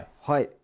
はい。